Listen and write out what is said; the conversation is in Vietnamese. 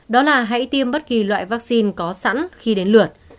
đó là hãy tiêm bất kỳ loại vaccine có sẵn khi đến lượt